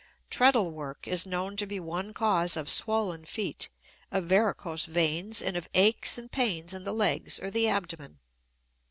Treadle work is known to be one cause of swollen feet, of varicose veins, and of aches and pains in the legs or the abdomen.